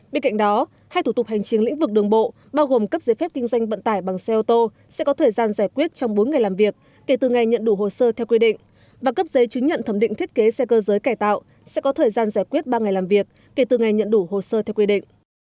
bên cạnh đó hai thủ tục hành chính lĩnh vực đường bộ bao gồm cấp giấy phép kinh doanh vận tải bằng xe ô tô sẽ có thời gian giải quyết trong bốn ngày làm việc kể từ ngày nhận đủ hồ sơ theo quy định và cấp giấy chứng nhận thẩm định thiết kế xe cơ giới cải tạo sẽ có thời gian giải quyết ba ngày làm việc kể từ ngày nhận đủ hồ sơ theo quy định